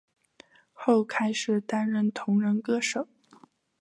后开始担任同人歌手。